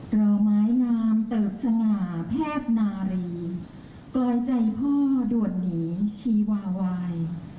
เหล่าไม้งามเติบสง่าแพทย์นาลีกลอยใจพ่อดวดหนีชีวาวาย